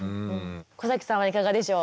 小さんはいかがでしょう？